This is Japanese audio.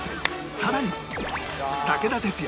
さらに